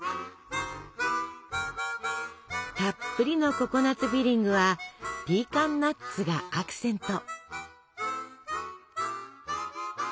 たっぷりのココナツフィリングはピーカンナッツがアクセント。